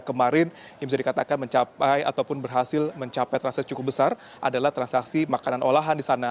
kemarin yang bisa dikatakan mencapai ataupun berhasil mencapai transaksi cukup besar adalah transaksi makanan olahan di sana